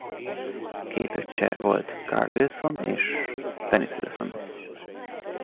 Két öccse volt Carl Wilson és Dennis Wilson.